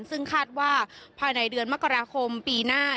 ซึ่งคาดว่าภายในเดือนมกราคมปีหน้า